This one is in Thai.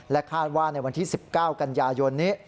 คาดว่าในวันที่๑๙กันยายนนี้